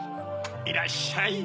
いらっしゃい。